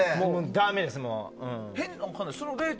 だめです。